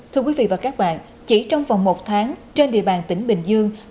thưa quý vị và các bạn chỉ trong vòng một tháng trên địa bàn tỉnh bình dương